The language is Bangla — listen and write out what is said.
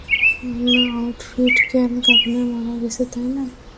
আউটফিট আল ক্যাপনে মারা গেছে, তাইনা?